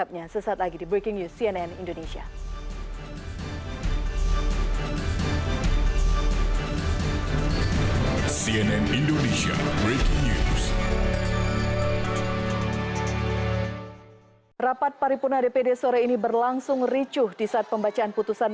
berlambat melakakan keputusan